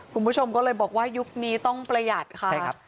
คุณผู้ชมก็เลยบอกว่ายุคนี้ต้องประหยัดค่ะ